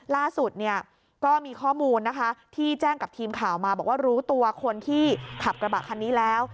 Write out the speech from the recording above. ล่าสุดเนี่ยก็มีข้อมูลนะคะที่แจ้งกับทีมข่าวมาบอกว่ารู้ตัวคนที่ขับกระบะคันนี้แล้ว